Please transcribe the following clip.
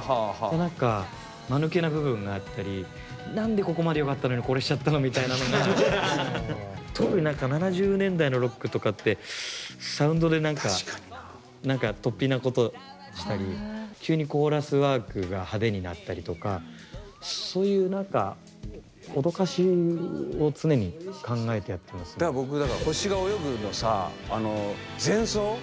で何かまぬけな部分があったり何でここまでよかったのにこれしちゃったのみたいなのが特に７０年代のロックとかってサウンドで何かとっぴなことしたり急にコーラスワークが派手になったりとかそういう何かだから僕だからそう前奏。